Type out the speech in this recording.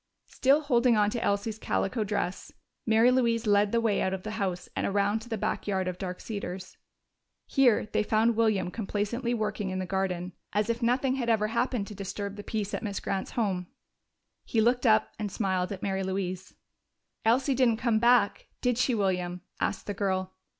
Still holding on to Elsie's calico dress, Mary Louise led the way out of the house and around to the back yard of Dark Cedars. Here they found William complacently working in the garden, as if nothing had ever happened to disturb the peace at Miss Grant's home. He looked up and smiled at Mary Louise. "Elsie didn't come back, did she, William?" asked the girl.